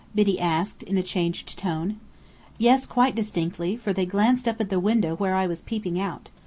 Biddy asked, in a changed tone. "Yes, quite distinctly, for they glanced up at the window where I was peeping out.